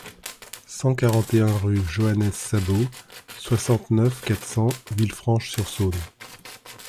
cent quarante et un rue Joannès Sabot, soixante-neuf, quatre cents, Villefranche-sur-Saône